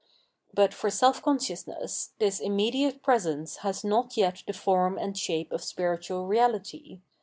But for self consciousness this immediate presence has not yet the form and shape of spiritual reality.